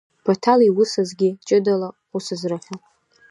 Баҭал иус азгьы ҷыдала усызрыҳәа…